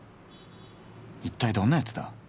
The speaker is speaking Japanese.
一体どんなやつだ？